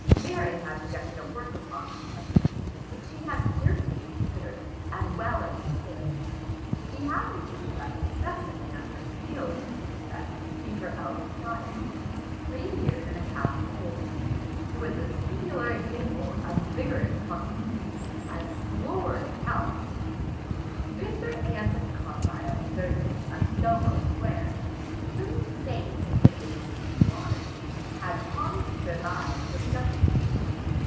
Mary had projected a work upon this subject, which she had carefully considered, and well understood. She has indeed left a specimen of her skill in this respect in her eldest daughter, three years and a half old, who is a singular example of vigorous constitution and florid health. Mr. Anthony Carlisle, surgeon, of Soho square, whom to name is sufficiently to honour, had promised to revise her production.